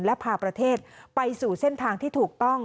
และพาประเทศไปสู่เส้นทางที่ถูกต้อง